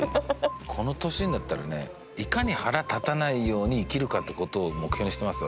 この年になったらねいかに腹立たないように生きるかっていう事を目標にしてますよ